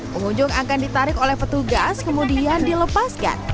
pengunjung akan ditarik oleh petugas kemudian dilepaskan